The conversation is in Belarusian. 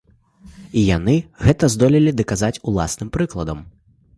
І яны гэта здолелі даказаць уласным прыкладам.